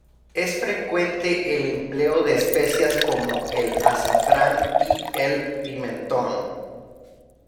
Es frecuente el empleo de especias como el azafrán y el pimentón.